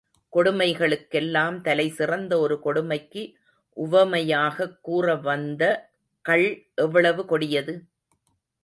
கொடுமைகளுக்கெல்லாம் தலைசிறந்த ஒரு கொடுமைக்கு உவமையாகக் கூறவந்த கள் எவ்வளவு கொடியது?